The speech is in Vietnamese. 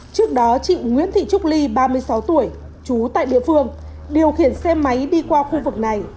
trước đó chị nguyễn thị trúc ly ba mươi sáu tuổi trú tại địa phương điều khiển xe máy đi qua khu vực này